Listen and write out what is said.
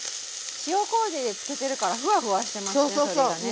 塩こうじでつけてるからふわふわしてますね鶏がね。